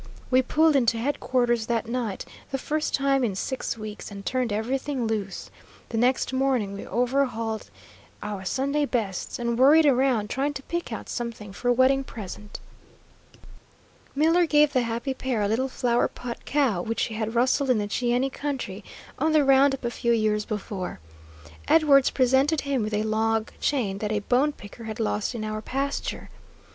We pulled into headquarters that night, the first time in six weeks, and turned everything loose. The next morning we overhauled our Sunday bests, and worried around trying to pick out something for a wedding present. Miller gave the happy pair a little "Flower Pot" cow, which he had rustled in the Cheyenne country on the round up a few years before. Edwards presented him with a log chain that a bone picker had lost in our pasture.